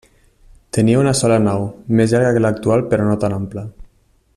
Tenia una sola nau, més llarga que l'actual, però no tan ampla.